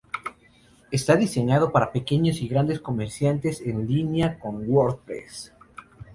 Está diseñado para pequeños y grandes comerciantes en línea con WordPress.